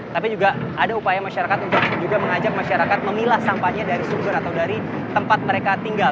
tapi juga ada upaya masyarakat untuk juga mengajak masyarakat memilah sampahnya dari sumber atau dari tempat mereka tinggal